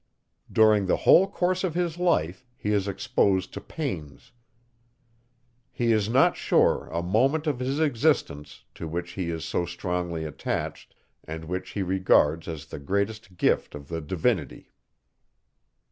During the whole course of his life, he is exposed to pains; he is not sure, a moment, of his existence, to which he is so strongly attached, and which he regards as the greatest gift of the Divinity.